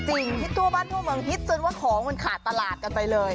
ฮิตทั่วบ้านทั่วเมืองฮิตจนว่าของมันขาดตลาดกันไปเลย